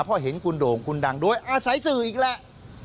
พอเห็นคุณโด่งคุณดังโดยอ่ะใส่สื่ออีกแล้ว